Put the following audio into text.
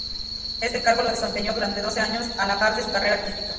Este cargo lo desempeñó durante doce años a la par de su carrera artística.